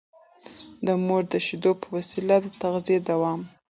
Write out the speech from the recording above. د مور د شېدو په وسيله د تغذيې دوام